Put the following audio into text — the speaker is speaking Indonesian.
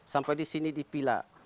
sampah di sini dipilak